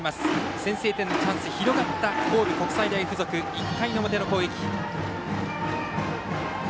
先制点のチャンスが広がった神戸国際大付属、１回表の攻撃。